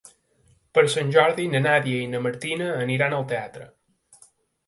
Per Sant Jordi na Nàdia i na Martina aniran al teatre.